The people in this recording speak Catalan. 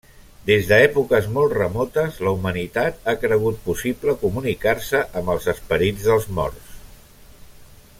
Des d'èpoques molt remotes, la humanitat ha cregut possible comunicar-se amb els esperits dels morts.